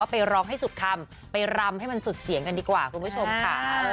ไปร้องให้สุดคำไปรำให้มันสุดเสียงกันดีกว่าคุณผู้ชมค่ะ